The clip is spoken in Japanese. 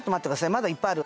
まだいっぱいある。